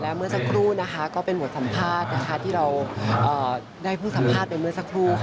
เมื่อสักครู่ก็เป็นบทสัมภาษณ์ที่เราได้เพิ่งสัมภาษณ์ไปเมื่อสักครู่